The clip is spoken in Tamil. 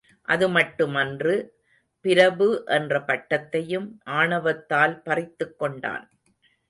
அது மட்டுமன்று, பிரபு என்ற பட்டத்தையும் ஆணவத்தால் பறித்துக் கொண்டான்.